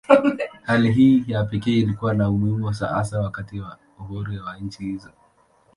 Hali hii ya pekee ilikuwa na umuhimu hasa wakati wa uhuru wa nchi hizo.